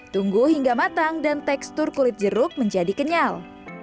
tunggu hingga matang dan tekstur kulit jeruk menjadi kenyal